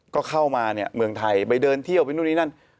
ก็เข้ามาเนี่ยเมืองไทยไปเดินเที่ยวไปนู่นนี่นั่น